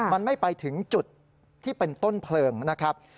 มันไม่ไปถึงจุดที่เป็นต้นเพลิงนะครับ